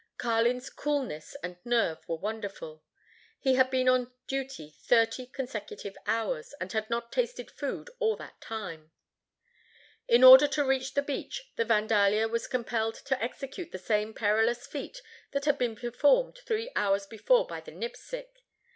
Carlin's coolness and nerve were wonderful. He had been on duty thirty consecutive hours, and had not tasted food all that time. In order to reach the beach, the Vandalia was compelled to execute the same perilous feat that had been performed three hours before by the Nipsic.